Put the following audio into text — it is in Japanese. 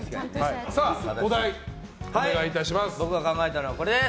お題、お願いいたします。